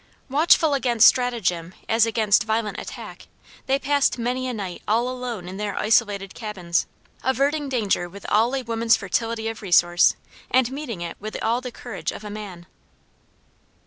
Watchful against stratagem as against violent attack, they passed many a night all alone in their isolated cabins, averting danger with all a woman's fertility of resource, and meeting it with all the courage of a man.